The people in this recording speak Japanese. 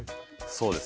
そうですね。